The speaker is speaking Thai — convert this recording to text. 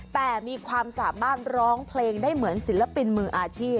แต่มีความสามารถร้องเพลงได้เหมือนศิลปินมืออาชีพ